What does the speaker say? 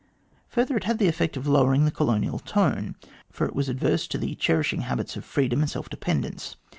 Further, it had the effect of lowering the colonial tone, for it was adverse to the cherish ing of habits of freedom and self dependence.